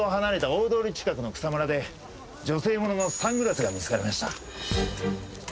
大通り近くの草むらで女性もののサングラスが見つかりました。